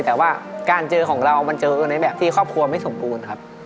แต่ว่าการเจอของเรามันเจอกันในแบบที่ครอบครัวไม่สมบูรณ์ครับ